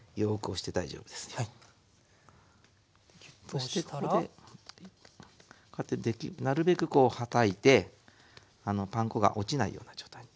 そしてここでこうやってなるべくこうはたいてパン粉が落ちないような状態。